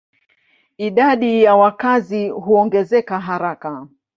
Idadi ya wakazi huongezeka haraka.